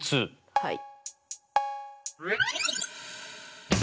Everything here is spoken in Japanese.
はい。